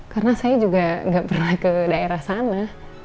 karena saya juga gak pernah ke daerah sana